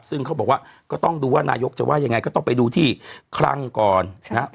ซึ่งเขาบอกว่าก็ต้องดูว่านายกจะว่ายังไงก็ต้องไปดูที่คลังก่อนนะครับ